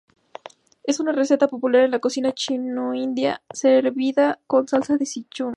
Es una receta popular en la cocina chino-india, servida con salsa de Sichuan.